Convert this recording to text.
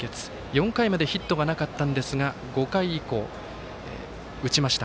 ４回までヒットがなかったんですが５回以降、打ちました。